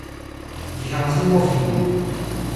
Vi havas du bovinojn.